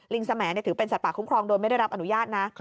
สมัยถือเป็นสัตว์ป่าคุ้มครองโดยไม่ได้รับอนุญาตนะ